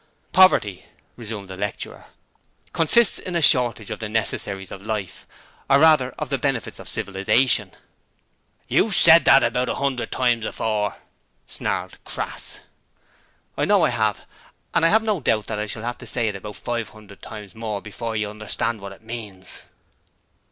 'Poverty,' resumed the lecturer, consists in a shortage of the necessaries of life or rather, of the benefits of civilization.' 'You've said that about a 'undred times before,' snarled Crass. 'I know I have; and I have no doubt I shall have to say it about five hundred times more before you understand what it means.'